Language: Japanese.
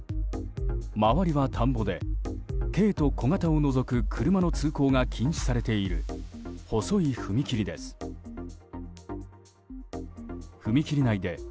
周りは田んぼで軽と小型を除く車の通行が禁止されている細い踏切です。